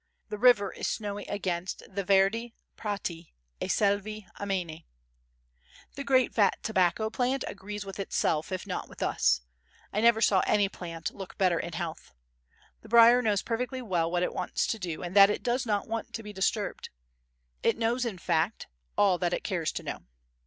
The river is snowy against the "Verdi prati e selve amene." The great fat tobacco plant agrees with itself if not with us; I never saw any plant look in better health. The briar knows perfectly well what it wants to do and that it does not want to be disturbed; it knows, in fact, all that it cares to know.